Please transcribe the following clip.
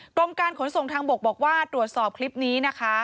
กรมการขนส่งทางบกบอกว่าตรวจสอบคลิปนี้นะคะ